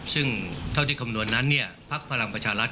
ซึ่งเท่าที่คำนวณนั้นพักพลังประชารัฐ